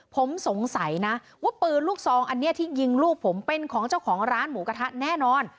ผมสงสัยนะว่าปืนลูกซองอันนี้ที่ยิงลูกผมเป็นของเจ้าของร้านหมูกระทะแน่นอน